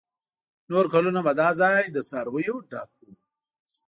نور کلونه به دا ځای له څارویو ډک و.